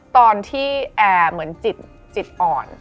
ตอนที่แอร์เหมือนจิตอ่อน